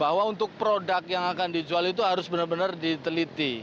bahwa untuk produk yang akan dijual itu harus benar benar diteliti